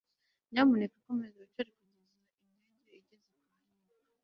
nyamuneka komeza wicare kugeza indege igeze ku irembo